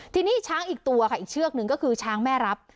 ทีนี้ช้างอีกตัวค่ะอีกเชือกหนึ่งก็คือช้างแม่รับ